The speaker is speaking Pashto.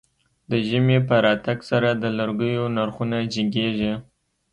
د ژمی په راتګ سره د لرګيو نرخونه جګېږي.